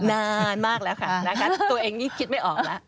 นานมากแล้วค่ะนะคะตัวเองยิ่งคิดไม่ออกแล้ว